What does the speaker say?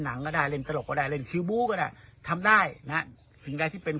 ก็ได้เล่นตลกก็ได้เล่นคิวบู้ก็ได้ทำได้นะฮะสิ่งใดที่เป็น